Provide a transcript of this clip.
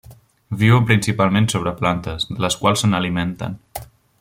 Viuen principalment sobre plantes, de les quals se n'alimenten.